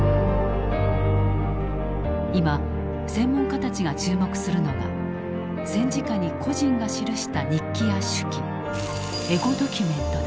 今専門家たちが注目するのが戦時下に個人が記した日記や手記エゴドキュメントだ。